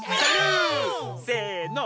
せの！